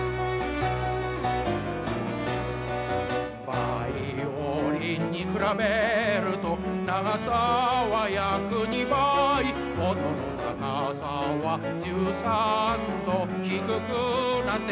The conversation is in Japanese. バイオリンに比べると長さは約２倍音の高さは１３度低くなっております